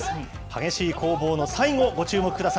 激しい攻防の最後、ご注目くださ